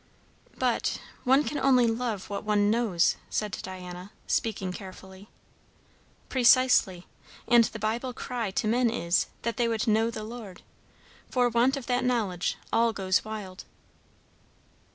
"But one can only love what one knows," said Diana, speaking carefully. "Precisely. And the Bible cry to men is, that they would 'know the Lord.' For want of that knowledge, all goes wild."